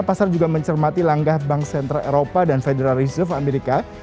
pasar juga mencermati langkah bank sentral eropa dan federal reserve amerika